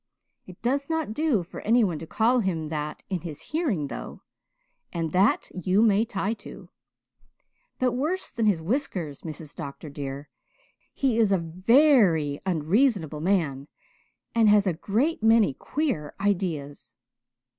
It does not do for anyone to call him that in his hearing, though, and that you may tie to. But worse than his whiskers, Mrs. Dr. dear, he is a very unreasonable man and has a great many queer ideas.